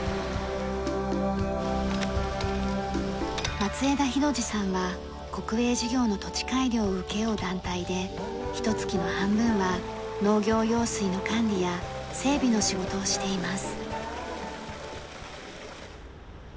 松枝浩二さんは国営事業の土地改良を請け負う団体でひと月の半分は農業用水の管理や整備の仕事をしています。